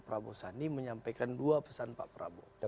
prabowo sandi menyampaikan dua pesan pak prabowo